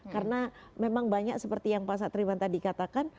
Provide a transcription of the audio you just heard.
karena memang banyak seperti yang pak satriban tadi katakan